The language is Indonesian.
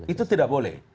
itu tidak boleh